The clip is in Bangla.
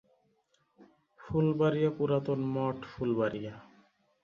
ফুলবাড়িয়া পুরাতন মঠ, ফুলবাড়িয়া।